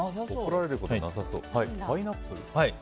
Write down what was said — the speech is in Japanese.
パイナップルと。